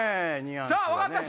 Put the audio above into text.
さぁ分かった人。